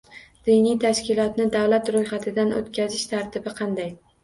Diniy tashkilotni davlat ro‘yxatidan o‘tkazish tartibi qanday?